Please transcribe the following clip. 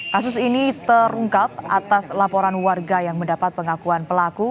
kasus ini terungkap atas laporan warga yang mendapat pengakuan pelaku